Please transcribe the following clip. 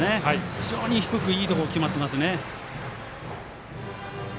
非常に低く、いいところに決まってますね。